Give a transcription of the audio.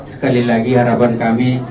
sekali lagi harapan kami